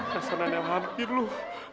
kesanannya hampir loh